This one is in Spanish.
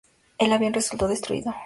El avión resultó destruido.